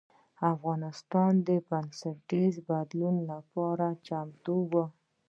افغانستان د بنسټیز بدلون لپاره چمتو و.